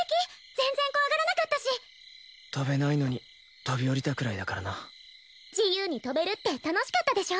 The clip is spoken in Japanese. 全然怖がらなかったし飛べないのに飛び降りたくらいだからな自由に飛べるって楽しかったでしょ？